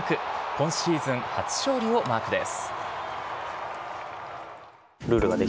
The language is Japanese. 今シーズン初勝利をマークです。